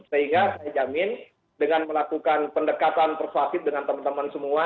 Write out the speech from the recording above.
sehingga saya jamin dengan melakukan pendekatan persuasif dengan teman teman semua